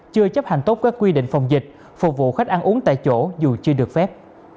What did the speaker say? chưa chấp hành tốt các quy định phòng dịch phục vụ khách ăn uống tại chỗ dù chưa được phép